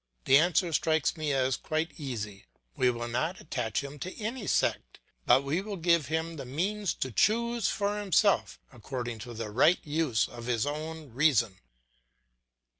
The answer strikes me as quite easy. We will not attach him to any sect, but we will give him the means to choose for himself according to the right use of his own reason.